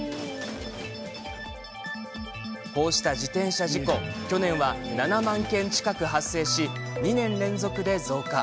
こうした自転車事故去年は７万件近く発生し２年連続で増加。